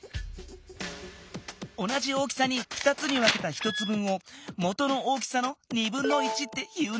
おなじ大きさに２つにわけた１つぶんをもとの大きさのっていうんだ。